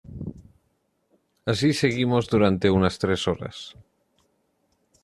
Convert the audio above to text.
Así seguimos durante unas tres horas.